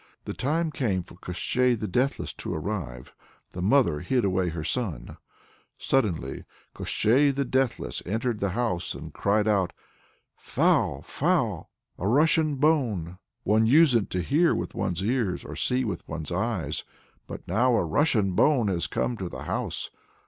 The time came for Koshchei the Deathless to arrive. The mother hid away her son. Suddenly Koshchei the Deathless entered the house and cried out, "Phou, Phou! A Russian bone one usen't to hear with one's ears, or see with one's eyes, but now a Russian bone has come to the house!